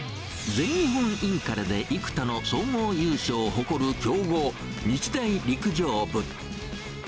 全日本インカレで幾多の総合優勝を誇る強豪、日大陸上部。